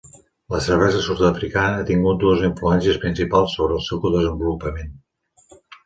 La cervesa sud-africana ha tingut dues influències principals sobre el seu desenvolupament.